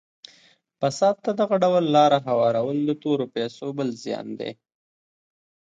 فساد ته دغه ډول لاره هوارول د تورو پیسو بل زیان دی.